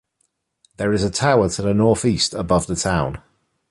There is a tower to the north-east, above the town.